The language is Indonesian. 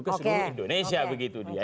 ke seluruh indonesia begitu dia